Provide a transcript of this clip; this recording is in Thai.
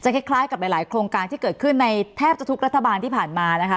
คล้ายกับหลายโครงการที่เกิดขึ้นในแทบจะทุกรัฐบาลที่ผ่านมานะคะ